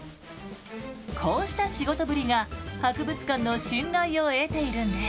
こうした仕事ぶりが博物館の信頼を得ているんです。